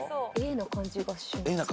Ａな感じがします。